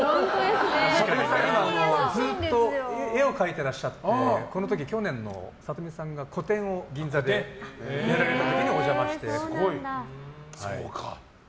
里見さんはずっと絵を描いてらっしゃって去年、里見さんが個展を銀座でやられた時にお邪魔して。